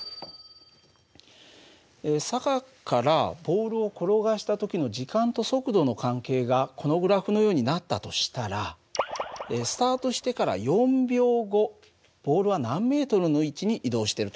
坂からボールを転がした時の時間と速度の関係がこのグラフのようになったとしたらスタートしてから４秒後ボールは何ｍの位置に移動してると考えられるかな？